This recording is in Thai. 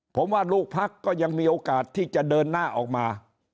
ผมว่าลูกพักก็ยังมีโอกาสที่จะเดินหน้าออกมา